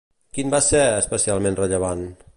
Quin va ser especialment rellevant?